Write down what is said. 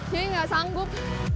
jadi nggak sanggup